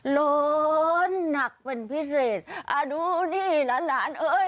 เหลิ้นนักเป็นพิเศษดูนี่หลาน